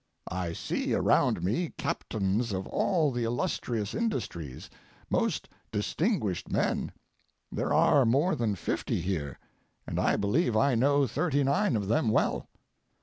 I see around me captains of all the illustrious industries, most distinguished men; there are more than fifty here, and I believe I know thirty nine of them well.